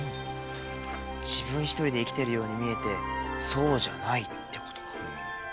自分一人で生きてるように見えてそうじゃないってことか。